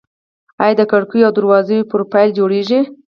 آیا د کړکیو او دروازو پروفیل جوړیږي؟